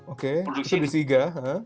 oke itu di siga